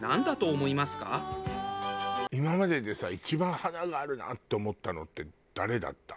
今まででさ一番華があるなって思ったのって誰だった？